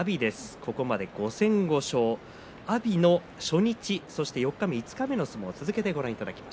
ここまで５戦５勝阿炎の初日、四日目、五日目の相撲をご覧いただきます。